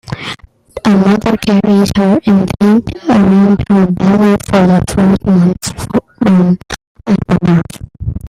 A mother carries her infant around her belly for the first month after birth.